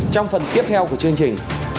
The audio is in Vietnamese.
trong phần tiếp theo của chương trình